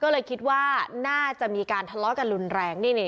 ก็เลยคิดว่าน่าจะมีการทะเลาะกันรุนแรง